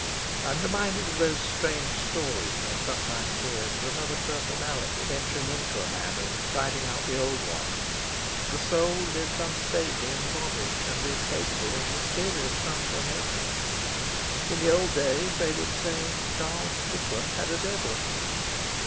I'm reminded of those strange stories one sometimes hears of another personality entering into a man and driving out the old one. The soul lives unstably in the body, and is capable of mysterious transformations. In the old days they would say Charles Strickland had a devil."